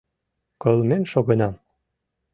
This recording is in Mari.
Кылмен шогенам.